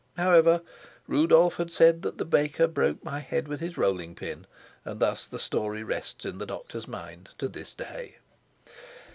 However, Rudolf had said that the baker broke my head with his rolling pin, and thus the story rests in the doctor's mind to this day.